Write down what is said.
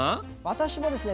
私もですね